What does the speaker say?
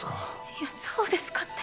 いやそうですかって。